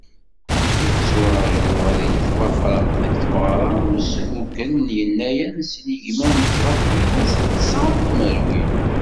Yetturaǧu ad yettwafraq deg tmeɣra n usfugel n yennayer n sin igiman d tẓa twinas d ṣa tmerwin.